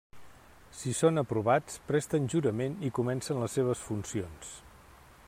Si són aprovats, presten jurament i comencen les seves funcions.